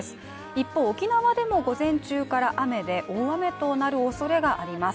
一方、沖縄でも午前中から雨で大雨となるおそれがあります。